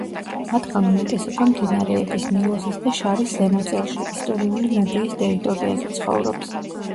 მათგან უმეტესობა მდინარეების ნილოსის და შარის ზემოწელში, ისტორიული ნუბიის ტერიტორიაზე ცხოვრობს.